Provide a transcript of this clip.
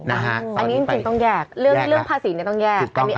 อันนี้จริงต้องแยกเรื่องภาษีต้องแยก